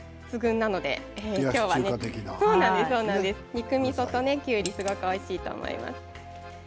肉みそときゅうりすごくおいしいと思います。